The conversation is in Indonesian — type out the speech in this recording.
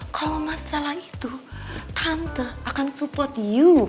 kalo masalah itu tante akan support you